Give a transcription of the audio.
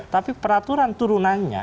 tapi peraturan turunannya